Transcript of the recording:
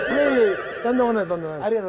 とんでもないとんでもない。